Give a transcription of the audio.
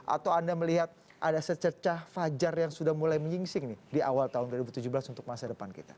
atau anda melihat ada sececah fajar yang sudah mulai menyingsing nih di awal tahun dua ribu tujuh belas untuk masa depan kita